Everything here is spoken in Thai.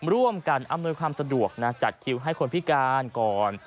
ร่วมกันอำนวยความสะดวกนะจัดคิวให้คนพิการก่อน